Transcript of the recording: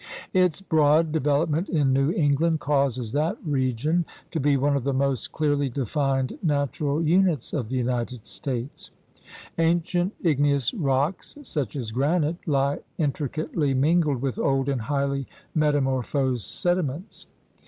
Its broad development in New England causes that region to be one of the most clearly defined natural units of the United States, Ancient igneous rocks such as granite lie intricately mingled with old and highly metamorphosed sedi ments.